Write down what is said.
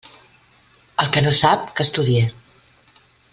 El que no sap, que estudie.